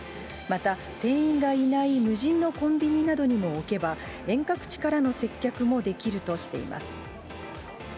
また、店員がいない無人のコンビニなどにも置けば、遠隔地からの接客もできるとしています。